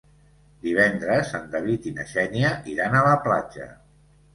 Divendres en David i na Xènia iran a la platja.